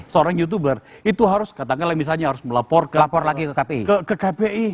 seorang youtuber itu harus katakanlah misalnya harus melapor lagi ke kpi